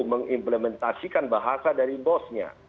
mengimplementasikan bahasa dari bosnya